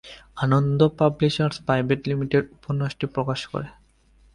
আনন্দ publishers private limited উপন্যাসটি প্রকাশ করে।